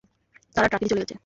তারা ট্রাকেডি চলে গেছে।